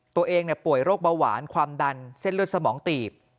ตัวเองป่วยโรคเบาหวานความดันเส้นเลือดสมองตีบ